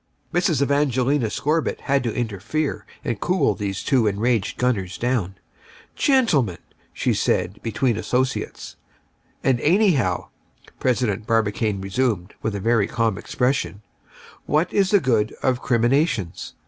Mrs. Evangelina Scorbitt had to interfere and cool these two enraged gunners down. "Gentlemen," said she, between associates. "And anyhow," President Barbicane resumed, with a very calm expression, "what is the good of criminations?